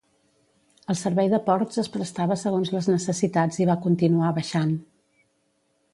El servei de ports es prestava segons les necessitats i va continuar baixant.